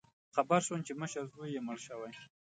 خبر شوم چې مشر زوی یې مړ شوی